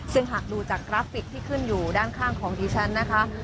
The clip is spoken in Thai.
ซึ่งหากดูจากกราฟิกที่ขึ้นอยู่ด้านข้างของดิฉันนะคะ